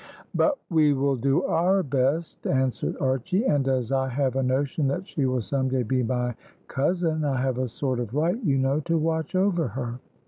"But we will do our best!" answered Archy; "and as I have a notion that she will some day be my cousin, I have a sort of right, you know, to watch over her."